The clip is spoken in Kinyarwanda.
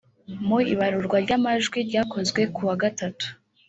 Mu ibaruwa ry’amajwi ryakozwe ku wa Gatatu